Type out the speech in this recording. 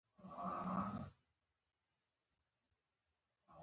دوی خپلو غړو ته توصیه کوي.